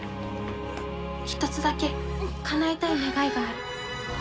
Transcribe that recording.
１つだけかなえたい願いがある。